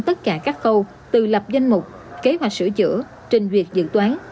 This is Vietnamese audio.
tất cả các khâu từ lập danh mục kế hoạch sửa chữa trình duyệt dự toán